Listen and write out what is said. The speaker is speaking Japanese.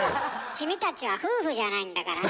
君たちは夫婦じゃないんだからね。